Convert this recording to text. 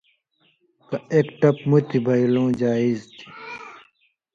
کہ ایک ٹَپ مُتیۡ بئ لُوں جائز تھی۔